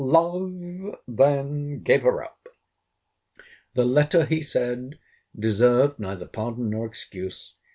LOVE then gave her up. The letter, he said, deserved neither pardon nor excuse.